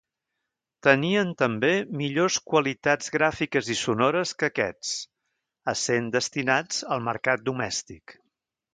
Tenien també millors qualitats gràfiques i sonores que aquests, essent destinats al mercat domèstic.